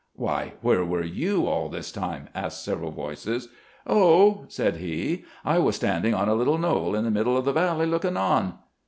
"Why, where were you all this time?" asked several voices. " Oh," said he, " I was standing on a little knoll in the middle of the valley, looking on."